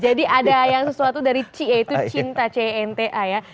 jadi ada yang sesuatu dari cia itu cinta c e n t a ya